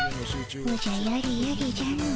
おじゃやれやれじゃの。